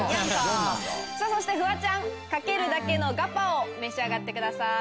そしてフワちゃんかけるだけのガパオ召し上がってください。